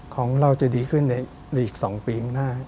ของเราจะดีขึ้นในอีก๒ปีก็ได้